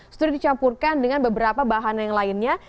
sudah dicampurkan dengan beberapa bahan yang lainnya